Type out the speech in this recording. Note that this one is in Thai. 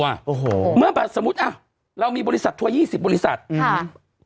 โอ้โหเมื่อแบบสมมุติอ่ะเรามีบริษัททัวร์ยี่สิบบริษัทค่ะ